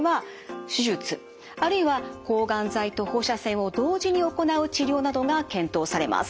あるいは抗がん剤と放射線を同時に行う治療などが検討されます。